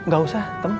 gak usah tem